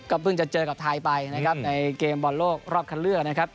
เพิ่งจะเจอกับไทยไปนะครับในเกมบอลโลกรอบคันเลือกนะครับ